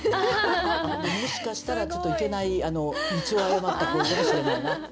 もしかしたらちょっといけない道を誤った恋かもしれないな。